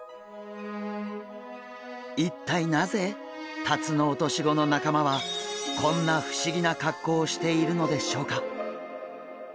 一体なぜタツノオトシゴの仲間はこんな不思議な格好をしているのでしょうか？